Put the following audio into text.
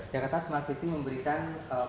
jakarta smart city memberikan